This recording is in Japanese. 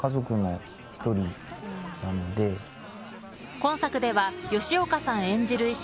今作では吉岡さん演じる医師